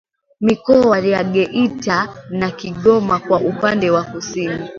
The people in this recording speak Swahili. Mikoa ya Geita na Kigoma kwa upande wa Kusini